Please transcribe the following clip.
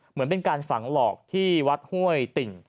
เหมือนเป็นการฝังหลอกที่วัดห้วยติ่ง